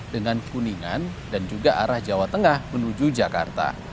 dengan kuningan dan juga arah jawa tengah menuju jakarta